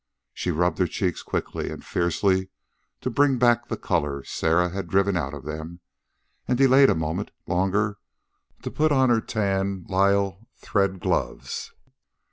She rubbed her cheeks quickly and fiercely to bring back the color Sarah had driven out of them, and delayed a moment longer to put on her tan lisle thread gloves.